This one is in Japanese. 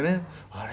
「あれ？